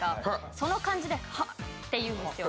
その感じで「ハッ」って言うんですよ。